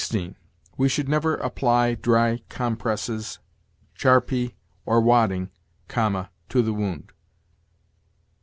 'We should never apply dry compresses, charpie, or wadding(,) to the wound.'